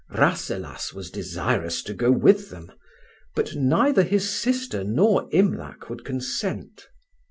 Rasselas was desirous to go with them; but neither his sister nor Imlac would consent.